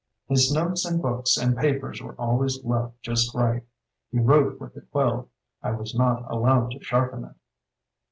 His notes and books and papers were always left just right. He wrote with a quill. I was not al lowed to sharpen it.